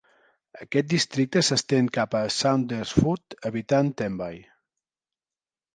Aquest districte s'estén cap a Saundersfoot evitant Tenby.